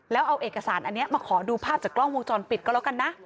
แล้วเอาเอกสารอันนี้มาขอดูภาพจากกล้องวงจรปิดก็แล้วกันนะ